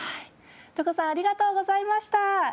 床さんありがとうございました。